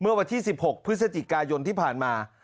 เพื่อขอให้สอบสวนลงโทษเจ้าหน้าที่ชุดจับกลุ่มที่เรียกรับเงิน